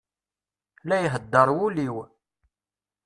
La ihedder wul-iw.